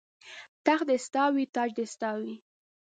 تخت دې ستا وي تاج دې ستا وي